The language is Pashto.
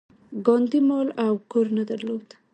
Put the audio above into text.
ګاندي مال او کور نه درلود.